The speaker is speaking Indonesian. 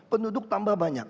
penduduk tambah banyak